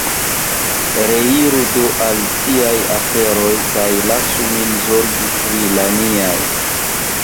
Reiru do al ciaj aferoj, kaj lasu min zorgi pri la miaj.